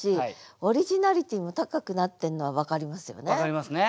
分かりますね。